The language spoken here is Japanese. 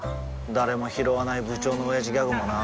誰もひろわない部長のオヤジギャグもな